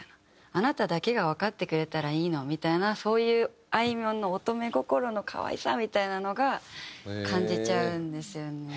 あなただけがわかってくれたらいいのみたいなそういうあいみょんの乙女心の可愛さみたいなのが感じちゃうんですよね。